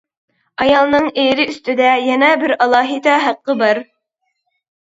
ئايالنىڭ ئېرى ئۈستىدە يەنە بىر ئالاھىدە ھەققى بار.